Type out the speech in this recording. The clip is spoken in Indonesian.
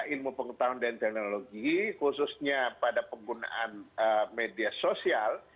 ilmu pengetahuan dan teknologi khususnya pada penggunaan media sosial